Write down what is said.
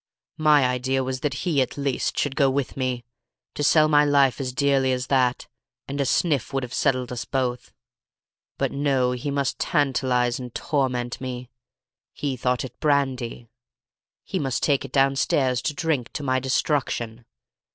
My idea was that he, at least, should go with me—to sell my life as dearly as that—and a sniff would have settled us both. But no, he must tantalize and torment me; he thought it brandy; he must take it downstairs to drink to my destruction!